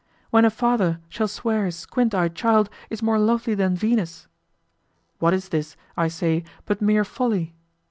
When a father shall swear his squint eyed child is more lovely than Venus? What is this, I say, but mere folly?